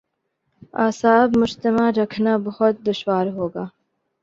اعصاب مجتمع رکھنا بہت دشوار ہو گا۔